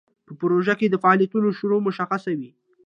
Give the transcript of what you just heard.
په پروژه کې د فعالیتونو شروع مشخصه وي.